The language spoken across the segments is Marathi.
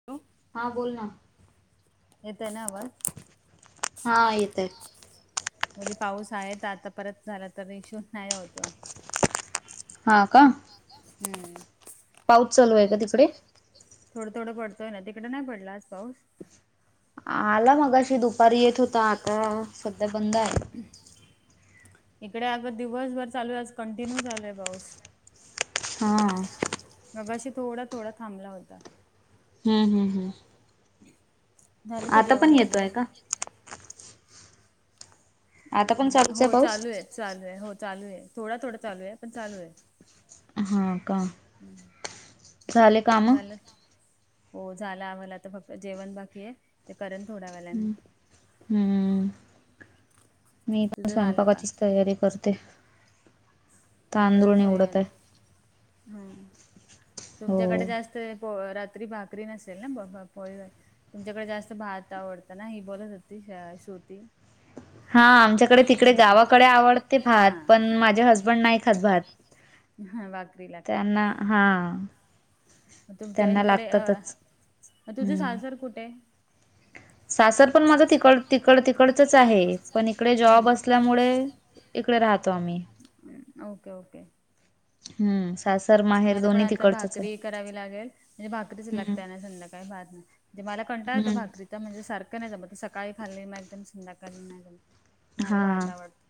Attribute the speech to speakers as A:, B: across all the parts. A: [unintelligible]
B: हां बोल ना
A: येतय ना आवाज.
B: हा येतय
A: मुली पाऊस आहे आता परत झाला तर इश्यू नाही होतो
B: हा का
A: हम्म थोडं थोडं पडतोय ना तिकड नाही पडला आज पाऊस
B: आला मगाशी, दुपारी येत होता आता सध्या बंद हाय.
A: इकड अग दिवसभर चालू आहे, कंटिन्यू चालू आहे पाऊस
B: हा
A: मगाशी थोडा थोडा थांबला होता.
B: हम्म हम्म हम्म हम्म. आता पण येतोय का?
A: हो चालू आहे चालू आहे हो चालू आहे थोडा थोडा चालू आहे पण चालू आहे.
B: हा का
A: झालं का. हो झालं आवरल आता फक्त जेवण बाकी आहे ते करेन थोड्या वेळाने
B: हम्म मी पण स्वयंपाकाचीच तयारी कर ते. तांदूळ निवडत आहे.
A: हा. तुमच्याकडे जास्त पो रात्री भाकरी नसेल ना प प पोळीवर तुमच्याकडे जास्त भात आवडतं ना ही बोलत होती श श्रुती
B: हा आमच्याकडे तिकडे गावाकडे आवडते भात पण माझे हसबंड नाही खात भात.
A: हा भाकरीला
B: त्यांना हा
A: मग तुमच्या इकडे अ मग तुझं सासर कुठे?
B: सासर पण माझं तिकड तिकड तिकडचच आहे पण इकडे जॉब असल्यामुळे इकडे राहतो आम्ही
A: मला पण आता भाकरी करावी लागेल म्हणजे भाकरीच लागते हैना संध्या काही [unintelligible] नाहीे मला कंटाळा येतो भाकरी तर म्हणजे सारखं नाही जमत सकाळी खाल्ली म एकदम संध्याकाळी नाही जमत मला भात आवडतो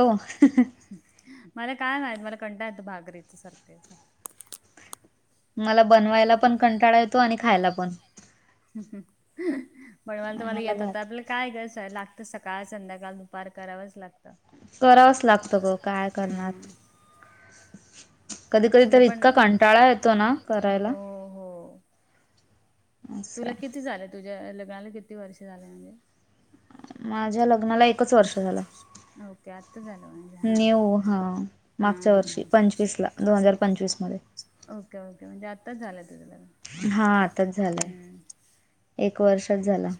A: भात आवडतो? मला काय माहित मला कंटाळा येतो भाकरीचा सारखे सारखे
B: मला बनवायला पण कंटाळा येतो आणि खायला पण
A: बनवायला तुम्हाला येत होत आपलं काय ग लागतं सकाळ, संध्याकाळ, दुपार करावंच लागतं
B: करावच लागतं ग काय करणार
A: तुला पण, [unintelligible] कंटाळा येतो ना, हो हो तुला किती झालंय तुझ्या लग्नाला किती वर्ष झालंय म्हणजे?
B: माझ्या लग्नाला एकच वर्ष झालं. न्यू हा मागच्या वर्षी पंचवीसला दोन हजार पंचवीसमध्ये
A: ओके ओके म्हणजे आत्ताच झालंय तुझा लग्न.
B: हा आताच झालंय एक वर्षाच झालय.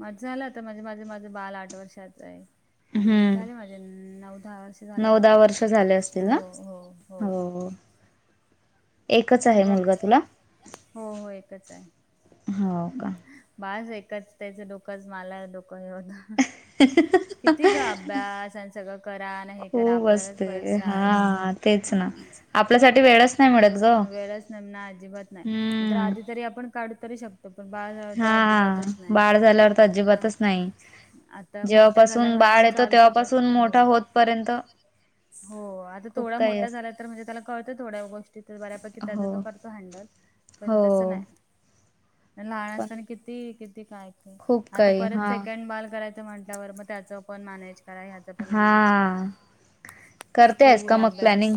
A: अह झालं आता म्हणजे माझे माझं बाल आठ वर्षाच आहे आणि झाले माझे नऊ दहा वर्ष झाले माझ्या लग्नाला, नऊ सहा वर्ष झालेअसतील ना? हो हो हो
B: एकच आहे मुलगा तुला? हो का.
A: बास एकच त्याचं डोकंच मला डोकं हे होतं किती ग अभ्यास आणि सगळं करा आणि हे करा आपल्यालाच परत त्रास हम्म आपल्यासाठी वेळच नाही, वेळच नाही ना अजिबात नाही नंतर आधी तरी आपण काढू तरी शक पण बाळ झाल्यावर तर अजिबातच नाही, आह आता मोठा झाला म्हणून चालतो तर हो हो आता थोडा मोठा झाला तर म्हणजे त्याला कळतं थोड्या गोष्टी तर बऱ्यापैकी त्याचां तो करतो हँडल पण तस नाही लहान असताना किती किती काय काय, आता परत सेकंड बाळ करायच तर म्हटल्यावर मग त्याच पण मॅनेज करा ह्याच पण मॅनेज करा, स्कूल अभ्यास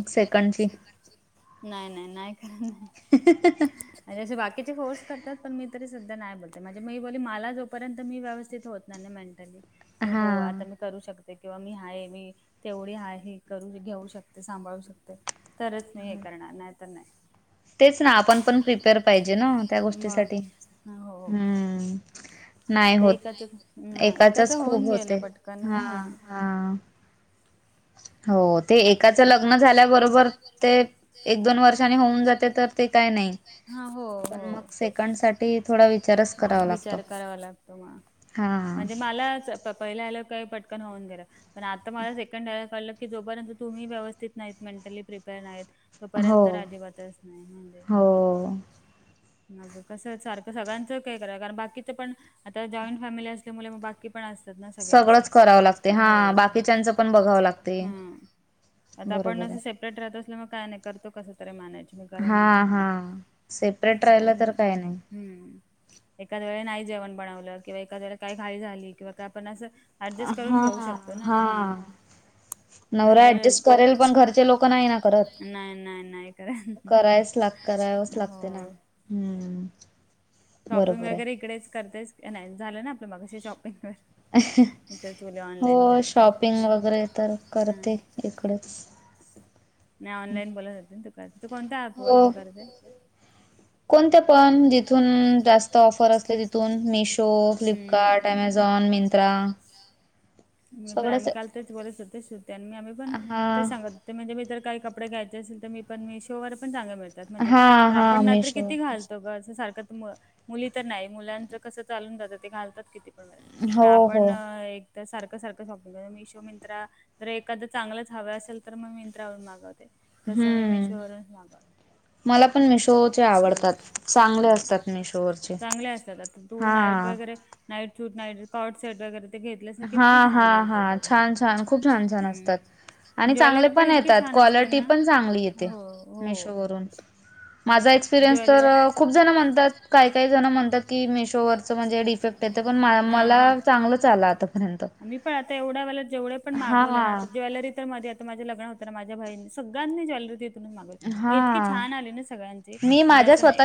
A: नाय नाय नाय
B: ति त
A: आणि असे बाकीचे फोर्स, करतात पण मी तरी सध्या नाही बोलते म्हणजे मी बोली मला जोपर्यंत मी व्यवस्थित होतणाय ना मेंटली कि हो आता मी करू शकते किंवा मी आहे मी तेवढी आहे करू घेऊ शकते सांभाळू शकते तरच मी हे करणार, नाही तर नाही
B: तेच ना आपण पण प्रिपेर पाहिजे ना त्या गोष्टीसाठी
A: हा, हो
B: नाही होत एकाचच खूप होते हा, हा
A: ते एकाच लग्न झाल्याबरोबर ते एक दोन वर्षानी होऊन जाते तर हा, हो, हो विचार करावा लागतो मला म्हणजे मला पहिलं आलं काही पटकन होऊन गेलं पण आता मला सेकंडयला कळलं की जो परंतु तुम्ही व्यवस्थित, नाहीत मेंटली प्रिपेअर, नाहीत तोपर्यंत अजिबातच, नाही म्हणजे मग कसं सारखं सगळ्यांचं काय करा कारण बाकीचं पण आता जॉईंट फॅमिली असल्यामुळे मग बाकी पण असतात ना सगळे अस हो बा [unintelligible] आता आपण असं सेपरेट राहत असल मग काय नाही करतो कस तरी मॅनेज
B: हा, हा, सेपरेट राहिलं तर काही नाही
A: हम्म एखाद वेळे नाही जेवण बनवलं किंवा एखाद वेळे काय घाई झाली किंवा काय आपण असं ऍडजस्ट करून घेऊ शकतो, ना हा पण जर एडजस्ट करेल पण घरचे लोक नाही, नाही, नाही के हो
B: हम्म
A: शॉपिंग वगैरे इकडेच करतेच, नाही झालं ना आपलं मग शॉपिंग व
B: हो शॉपिंग वगैरे तर करते इकडेच
A: नाही ऑनलाईन बोलू शकते ना तू करते तू कोणत्या ऐप वरून करतेय
B: कोणत्या पण जिथून जास्त ऑफर असले तिथून मिशो, फ्लिपकार्ट, अमेझॉन, मिंत्रा
A: मी पण आम्ही काल तेच बोलत होते सुते आणि मी आम्ही पण ते सांगत ते म्हणजे मी काही कपडे घ्यायचे असेल तर मी पण मिशोवर पण चांगले मिळते मिळतात म्हणजे आपण मात्र किती, हास त अस सारखं मुली तर नाही मुलांच कसं चालून जातं ते घालतात, किती आपण एक तर सारखं सारखं शॉपिंग कर मिशो मिंत्रा जर एखादं चांगलंच हवं असेल तर मग मिंत्रावर मागवते तस मी मिेशवरून मागवत् हम्म चांगले असतात आता धून अल्टर वगैरे नाईट सूट नाईट कॉट साईट वगैरे घेतल्यास ना किती छान मिळतात हम् ज्वेलरी पण इतकी छान असते ना हो हो
B: माझाच एक्सपिरियन्स तर खूप जण म्हणतात काही काही जण म्हणतात की मेशोवरचं म्हणजे डिफेक्ट त्याथ पण मला चांगलंच आलं आता
A: मी पण आता एवढ्या जेवढे पण मागवले ना आता ज्वेलरी तर मध्ये माझं लग्न होतं ना माझ्या भाईंनी सगळ्यांनी ज्वेलरी इथून मागवली मग इते छान आले ना सगळ्यांचे म्हणज असं नाही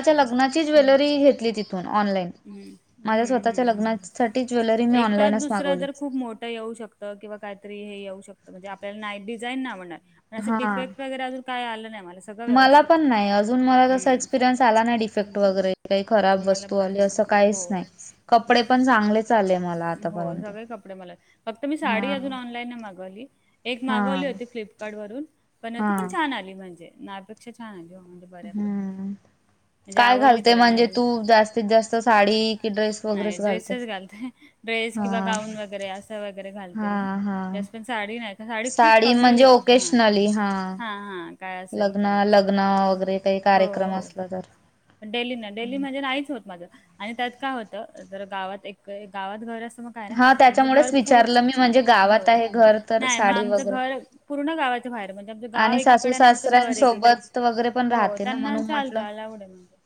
A: हम्म हम्म हम्म हम्- एकाद दुसरा तर खूप मोठा येऊ शकतं. किंवा काहीतरी हे येऊ शकतं. म्हणजे आपल्याला नाई, डिझाईन नायी आवडणार. आणि असं डिफेक्ट वगैरे, अजून काय आलं नाही मला. सगळं व्यवस्थित आलं. मला
B: अजून मला तसा, एक्सपिरियन्स आला नाही. डिफेक्ट वगैरे. काही खराब वस्तू आली. असं, काहीच नाही.
A: कपडे पण. हो. सगळे कपडे मला. फक्त मी, साडी अजून ऑनलाईन मागवली. एक मागवली होती फ्लिपकार्ट वरून. पण ती पण छान आली. म्हणजे, नापेक्षा छान आली. हो. म्हणजे बऱ्यापै म्हणजे आवडली त्याला मी अजून. म्हणजे तू, जास्तीत जास्त साडी. नाही. ड्रेसच घालते. ड्रेस किंवा गाऊन वगैरे. असं वगैरे घालते मी. तस पण साडी नाही साडी खूप कमी. साडी [unintelligible] आलीय. हा, हा.
B: लग्न, लग्न वगैरे.
A: हो, हो. पण डेली ना, डेली म्हणजे नाहीच होत माझं. आणि त्यात काय होतं? अ दर गावात एक - एक गावात घर असतं, मग काय नाही. आमचं घर पुरून, हो. नाही मग आमचं घर पूर्ण गावाच्या बाहेर. म्हणजे आमचं गाव एकीकडे. अन् आमचं घर एकीकडे. हो. ना चालतं. आलावूडय म्हणजे.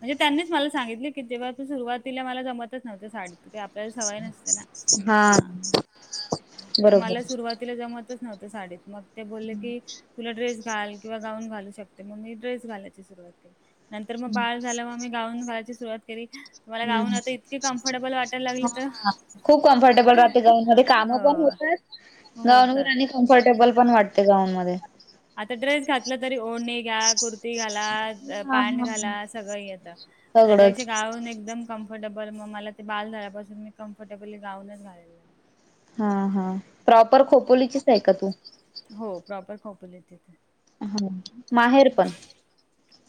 A: म्हणजे त्यांनीच मला सांगितले. कीती वेळ त. सुरुवातीला मला जमतच नव्हते साडीत. ते आपल्याला सवय नसते ना. हा. हा. त मला सुरवात तिला जमतच नव्हं साडीत. मग ते बोलले की, तुला ड्रेस घाल किंवा गाऊन घालू शक ते. मग मी ड्रेस घालायची सुरुवात केली. नंतर मग बाळ झाल्या मग, मी गाऊन घालायची सुरुवात री. मला गाऊन आता इतक कम्फर्टेबल वाटायला लागलेत. [inaudible]
B: कामं पण होतात. गाऊनवर आणि कम्फर्टेबल पण वाटते गाऊनमध्ये.
A: आता ड्रेस घातला तरी, ओढणी घ्या. कुर्ती घाला. पॅ्ट घाला. सगळं येतं. त्याच्यापेक्षा गावून एकदम कम्फर्टेबल. मग मला ते बाळ झाल्यापासून, मी कम्फर्टेबली गाऊनच घालायला लागले.
B: हा, हा. प्रॉपर खोपोलीचीचाय का तू?
A: हो. प्रॉपर खोपोलीचीचय.
B: हा. माहेर पण?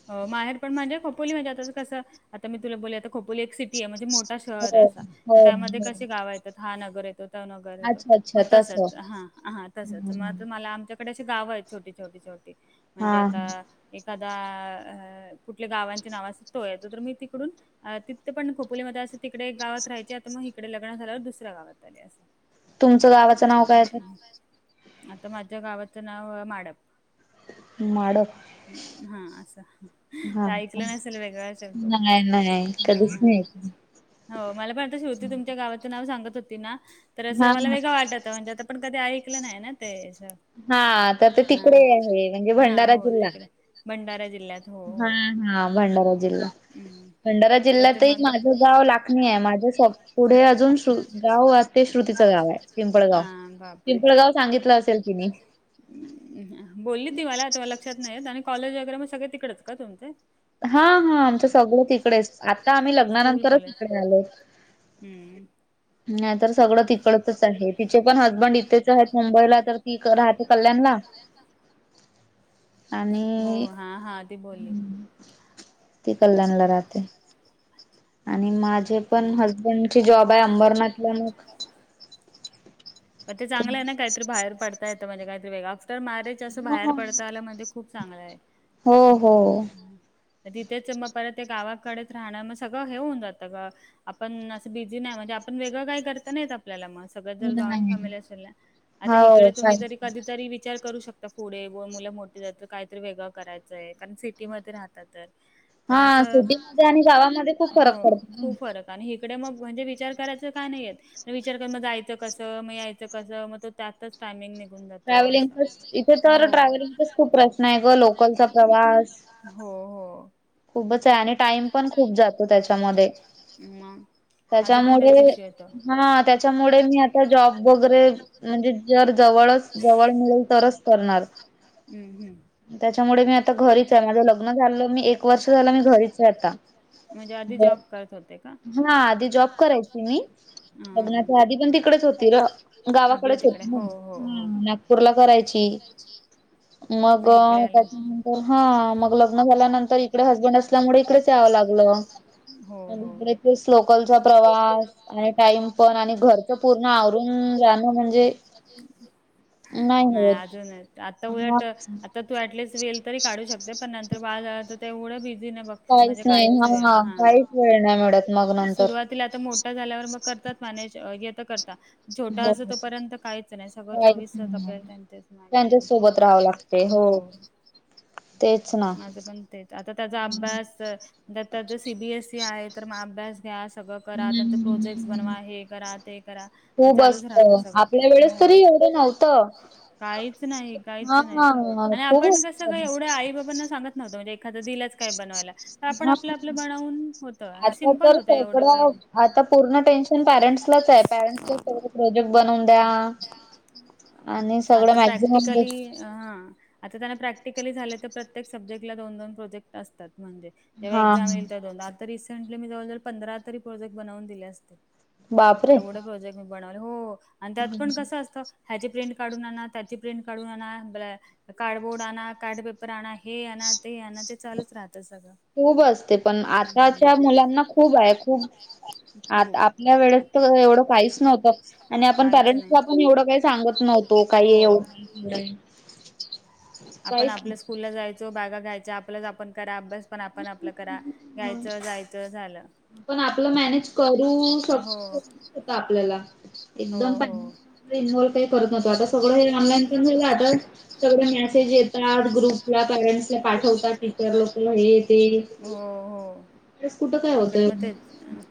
A: अ माहेर पण म्हणजे खोपोली. म्हणजे आताच कसं? आता मी तुला बोलली, आता खोपोली एक सिटीय. म्हणजे मोठा श शेवऱ्याचा. त्यामध्ये कसे गावायत त्यात, हा नगर येतो. तो नगर येतो. मग तसच. हा. हा. तसच. म आता मला आमच्या ईकडे अशी गावंयत आहेत छोटी, छोटी, छोटी. म्हणजे आता, एखादा कुठल्या गावांची नाव असतोय. तर मी, तिकडून, तिथे पण खोपोलीमध्ये अस तिकडे एक गावात राहायची. आता मग इकडे लग्न झाल्यावर, दुसऱ्या गावात आले, असं.
B: तुमचं गावाचं नाव काय आता?
A: आता माझ्या गावाचं नाव माडप.
B: माडप. हा. नाही- नाही. कधीच नाही.
A: हो. मला पण आता श्रुती, तुमच्या गावाच नाव सांगत होती ना? तर असं मला वेगळं वाटत. म्हणजे आता आपण, कधी ऐकलं नाही ना ते असं.
B: हा. तर ते तिकडे आहे. म्हणजे, भंडारा जिल्हा.
A: भंडारा जिल
B: हा, हा. भंडारा जिल्हा. भंडारा जिल्ह्यातही माझं गाव लाग नियाय. माझं सास पुढे अजून श्रू गावात ते श्रुतीचं गावाय. पिंपळगाव. पिंपळगाव सांगितलं असेल तिनी.
A: ह् बोलली ती मला. आता मला लक्षात नाहीेत. आणि कॉलेज वगैरे, मग सगळे तिकडच का? तुमचे.
B: हां. हां. आमचं सगळ तिकडेच. आत्ता आम्ही लग्नानंतरच इकडे आलोय.
A: हम.
B: नाहीतर - सगळं तिकडचच आहे. तिचे पण हजबंड इथेच आहेत मुंबईला. तर ती राहते कल्याणला.
A: हो. हा हा. ती बोलली.
B: ती कल्याणला रहाते. आणि माझे पण हजबंडचे जॉब आहे अंबरनाथला मग-
A: म ते चांगलंय ना काहीतरी बाहेर पडता येत म्हणजे काहीतरी वेगळ. आफ्टर मॅरेज असं बाहेर पडता आलं म्हणजे- खूप चांगलंय.
B: हो. हो.
A: तर तिथेच ए. मग परत ते गावाकडेच राहणं. मग सगळं हे होऊन जातं ग. आपण असं बिझी नाही म्हणजे आपण वेगळं काही करता नाहीत आपल्याला म. [unintelligible] जॉईन फॅमिली असेल ना? आता इकडे तुम्ही तरी कधी - तरी विचार करू शकता पुढे की बुवा मुलं मोठीे झाले तर काय तरी वेगळं करायचं आहे. कारण सिटीमध्ये राहतात ए. पण अस- हो. खूप फरक- आणि इिकडे मग म्हणजे विचार करायचं काय नाहीयेत. विचार करू म जायचं कसं? म यायचं कस? मग त्यातच- टायमिंग निघून जा-
B: ट्रॅव्हलिंगचाच इथे तर ट्रॅव्हलिंगचाच खूप प्रश्न आहे ग. लोकलचा प्रवास.
A: हो हो. कसंय आणि टाइम पण खूप जातो त्याच्यामध्ये. म.
B: त्याच्यामुडे -हां. त्याच्यामुडे मी आता जॉब वगैरे- म्हणजे जर जवळच जवळ मिळेल तरच करणार.
A: हम्म. हम्म.
B: त्याच्यामुळे मी आता घरीच ए. माझं लग्न झालं मी एक- [unintelligible] मी घरीचे आता. हा. आधी जॉब करायची मी. लग्नाच्या आधी पण तिकडेच होती ग! गावाकडेच होती. अ हं. [unintelligible] -पुरला करायची. मग अ त्याच्यानंतर, हा मग लग्न झाल्यानंतर- इकडे हजबंड असल्यामुळे इकडेच यावं लागलं. आणि परत ते लोकलचा प्रवास. आणि टाइम पण आणि घरचं पूर्ण आवरून जाणं म्हणजे-
A: नाय अजूनच. आत्ता उलट- त तू ऍटलिस्ट वेल तरी काढू शकते. पण नंतर बाळ झालं त- तेवढं बिझी नाय बघ ते म्हणजे काहीचे आ. हा. सुरवात- -ती आता मोठं झाल्यावर म करतात मॅनेज. येतं करता. छोटा असेतोपर्यंत काहीच नाय सगळं चोवीस तास आपल्याला त्यांच्याच मागे. हो. माझं पण तेच आता त्याचा अभ्यास- त्यात त्यांचं सी बी एस सी आहे तर म अभ्यास घ्या. अस्- सगळं करा त्यांचं प्रोजेक्टस बनवा हे करा ते करा ते चालूच राहत.
B: आपल्या वेळेस तरी एवढं नव्हतं.
A: काहीच नाही. काहीच नाही आता. आणि आपण कसं ग एवढं आई- बाबांना सांगत नव्हतो. म्हंजे एखादं दिलच- काही बनवायला. त आपण आपलं आपलं बनवुन होतं आणि सिम्पल होतं एवढं काय नाय.
B: हां. आता पूर्ण टेन्शन पॅरेंट्सलाच ए. पॅरेंट्सच सर्व्- प्रोजेक्ट बनवून द्या. आणि सगळं मॅक्झिमम-
A: हां. आता त्यांना प्रॅक्टिकली झालय तर प्रत्येक सब्जेक्टला दोन दोन प्रोजेक्ट असतात म्हणजे. जेव्हा एक्झाम येईल तेव्हा दोनदा, आता रिसेंटली मी जवळजवळ पंधरा तरी प्रोजेक्ट बनवून दिले असते. एवढं प्रोजेक्ट मी बनवले, हो आणि त्यात पण कसं असतं ह्याची प्रिंट काढून आणा, त्याची प्रिंट काढून आणा, ब्लॅ कार्डबोर्ड आणा, कार्ड पेप र आणा, हे आना, ते आना ते चालूच राहतं सगळं.
B: खूप असते, पण आताच्या मुलांना खूपाय खूप आता आपल्या वेळेस त एवढं काहीच नव्हतं आणि आ पण पॅरेंट्सला पण एवढं काई सांगत नव्हतो काही ए एवढं
A: आपण आपल्या स्कूलला जायचो, बॅगा घ्यायच्या आपल्याच आपण करा अभ्यास पण आपण आपलं करा, यायचं जायचं झालं.
B: पण आपलं मॅनेज करू शकतो का आपल्याला एकदम पण इन्व्हाल्व काही करत नव्हतो, आता सगळं हे ऑनलाईन [unintelligible] सगळं मेसेज येतात ग्रुपला, पॅरेंट्सला पाठवतात टीचर लोकं हे
A: हो हो, इकडे मग तेच ना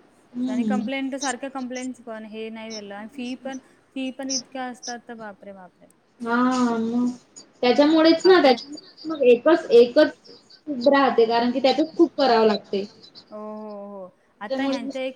A: आणि कंप्लेंट सार कंप्लेंटस् पण हे नाई झालं आणि फी पण, फी पण इतक्या असतात त बापरे बापरे.
B: हा मग त्याच्यामुळेच ना त्याच्यामुळे मग एकच एकच खूप राहते कारण की त्यातच खूप करावं लागतय.
A: हो हो आता ह्यांच्या एक